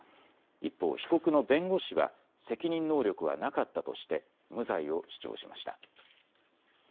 一方、被告の弁護士は責任能力はなかったとして無罪を主張しました。